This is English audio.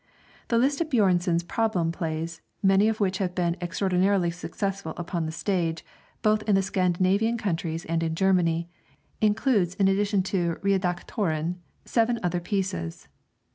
The list of Björnson's problem plays many of which have been extraordinarily successful upon the stage, both in the Scandinavian countries and in Germany includes in addition to 'Redaktören,' seven other pieces.